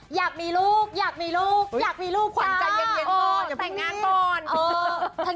ฉันก็รีดไปเนาะ